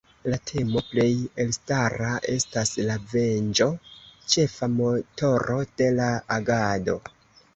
La temo plej elstara estas la venĝo, ĉefa motoro de la agado.